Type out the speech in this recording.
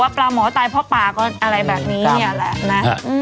ที่เขาบอกไว้ว่าปลาหมอตายเพราะปา